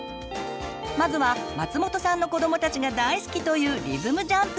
まずは松本さんの子どもたちが大好きというリズムジャンプ。